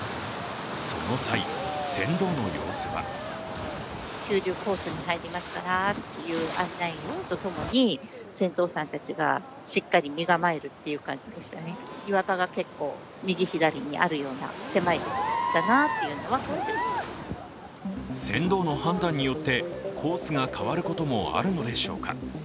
その際、船頭の様子は船頭の判断によって、コースが変わることもあるのでしょうか。